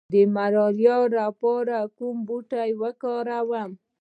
د ملاریا لپاره کوم بوټی وکاروم؟